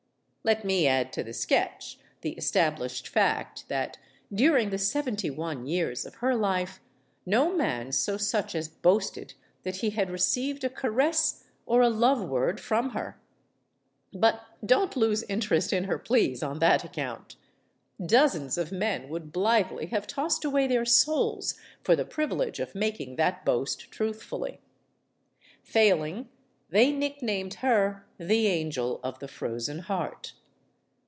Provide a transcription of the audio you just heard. Let me add to the sketch the established fact that, during the seventy one years of her life, no man so such as boasted that he had received a caress or a love word from her. But don't lose interest in her, please, on that account. Dozens of men would blithely have tossed away their souls for the privilege of making that boast truthfully. Failing, they nicknamed her "the angel of the frozen heart."